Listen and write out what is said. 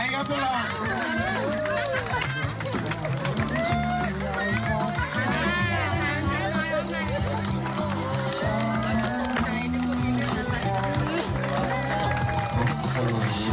ขอบคุณครับ